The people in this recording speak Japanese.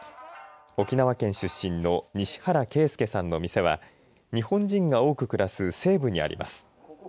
沖縄県出身の西原圭佑さんの店は日本人が多く暮らす西部にあります。